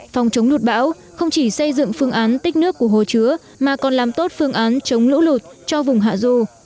phòng chống lụt bão không chỉ xây dựng phương án tích nước của hồ chứa mà còn làm tốt phương án chống lũ lụt cho vùng hạ du